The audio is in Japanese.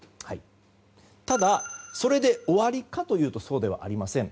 ただ、それで終わりかというとそうではありません。